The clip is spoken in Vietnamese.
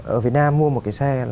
ở việt nam mua một cái xe